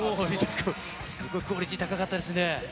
すごいクオリティ高かったですね。